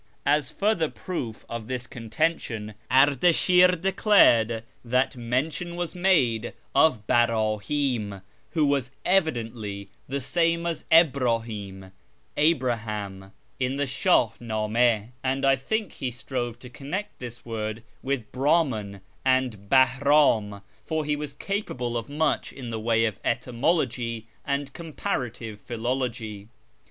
" As further proof of this contention, Ardashir declared that mention was made of Baralu'm, who was evidently the same as Ibnihi'm (Abraham), in the Shah nAm4 ; and 1 think he strove to con nect this word with Brahman and Bahram, for he was capable of much in the way of etymology and comparative philology.